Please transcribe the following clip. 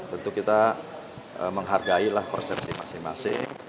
tentu kita menghargailah persepsi masing masing